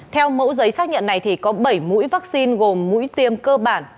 theo mẫu giấy xác nhận này thì có bảy mũi vaccine gồm mũi tiêm cơ bản